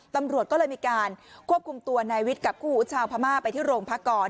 ตำรวจก็เลยมีการควบคุมตัวนายวิทย์กับคู่ชาวพม่าไปที่โรงพักก่อน